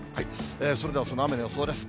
それでは、その雨の予想です。